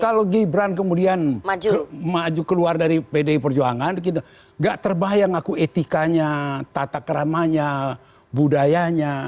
kalau gibran kemudian maju keluar dari pdi perjuangan tidak terbayang aku etikanya tatak ramanya budayanya